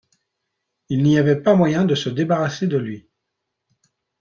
Il n’y avait pas moyen de se débarrasser de lui.